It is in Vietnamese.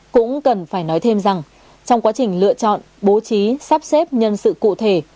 cũng cần phải nói thêm rằng trong quá trình lựa chọn bố trí sắp xếp nhân sự cụ thể